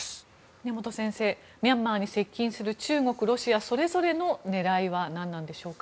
根本先生、ミャンマーに接近する中国、ロシアそれぞれの狙いは何なのでしょうか。